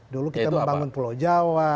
dulu kita membangun pulau jawa